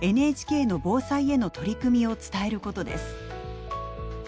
ＮＨＫの防災への取り組みを伝えることです。